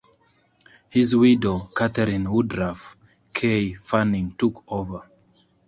His widow, Katherine Woodruff "Kay" Fanning, took over.